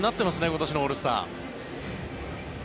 今年のオールスター。